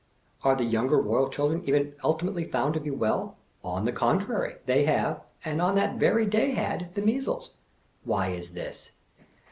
Are the younger Koyal children even ultimately found to be well? On the contrary, they have — and on that very day had — the measles. Why is this?